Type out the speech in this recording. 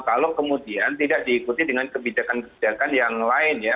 kalau kemudian tidak diikuti dengan kebijakan kebijakan yang lain ya